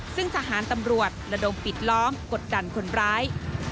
ซึ่งทหารตำรวจระดมปิดล้อมกดดันคนร้าย